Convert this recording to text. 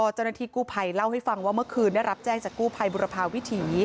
เจ้าหน้าที่กู้ภัยเล่าให้ฟังว่าเมื่อคืนได้รับแจ้งจากกู้ภัยบุรพาวิถี